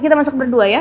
kita masak berdua ya